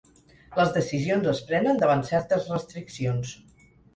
Les decisions es prenen davant certes restriccions.